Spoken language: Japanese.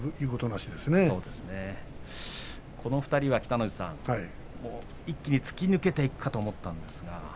この２人は一気に突き抜けていくかと思ったんですが。